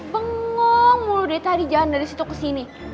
bengong mulu dari tadi jalan dari situ kesini